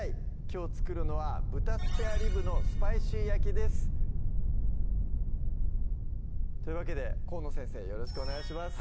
きょう作るのは「豚スペアリブのスパイシー焼き」ですというわけで河野先生よろしくお願いします